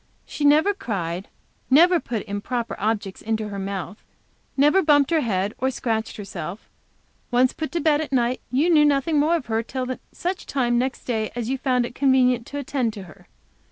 She never cried, never put improper objects into her mouth, never bumped her head, or scratched herself. Once put to bed at night, you knew nothing more of her till such time next day as you found it convenient to attend to her.